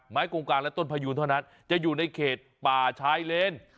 กงกลางและต้นพยูนเท่านั้นจะอยู่ในเขตป่าชายเลน